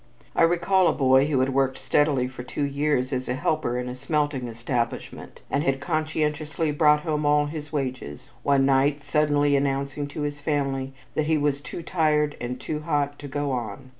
I recall a boy who had worked steadily for two years as a helper in a smelting establishment, and had conscientiously brought home all his wages, one night suddenly announcing to his family that he "was too tired and too hot to go on."